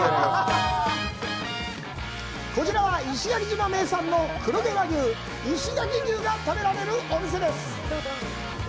こちらは、石垣島名産の黒毛和牛、石垣牛が食べられるお店です。